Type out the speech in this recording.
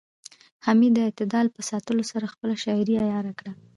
حمید د اعتدال په ساتلو سره خپله شاعرۍ عیاره کړه